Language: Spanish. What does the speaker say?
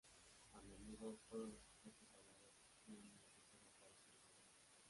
A menudo todos los objetos hallados en un tesoro aparecen rotos.